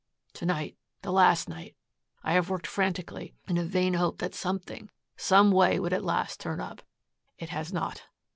"To night, the last night, I have worked frantically in a vain hope that something, some way would at last turn up. It has not.